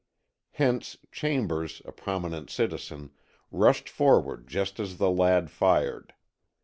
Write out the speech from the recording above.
Hence Chambers, a prominent citizen, rushed forward just as the lad fired.